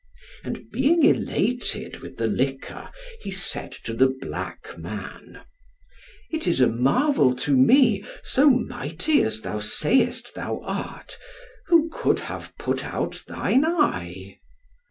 And being elated with the liquor, he said to the black man, "It is a marvel to me, so mighty as thou sayest thou art, who could have put out thine eye?"